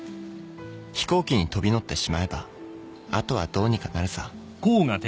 「飛行機に飛び乗ってしまえばあとはどうにかなるさ」